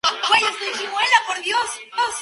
Takao Yoshida dirigió el equipo de diseño.